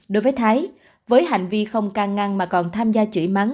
đối với thái với hành vi không càng ngăn mà còn tham gia chửi mắng